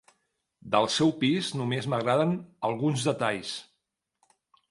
Del seu pis només m'agraden alguns detalls.